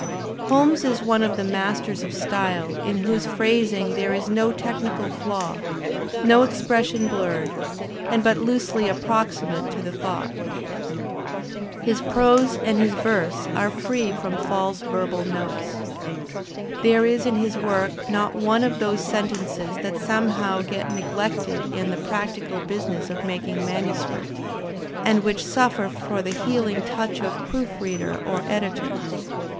Holmes is one of the masters of style in whose phrasiag there is no technical flaw, no expression blurred and but loosely approximate to the thought. His prose and his verse are free from false verbal notes. There is in his work not one of those sentences that somehow get neglected in the practical business of making manuscript, and which suffer for the healing touch of proofreader or editor.